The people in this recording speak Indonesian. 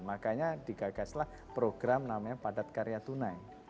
makanya digagaslah program namanya padat karya tunai